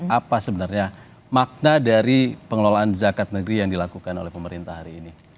apa sebenarnya makna dari pengelolaan zakat negeri yang dilakukan oleh pemerintah hari ini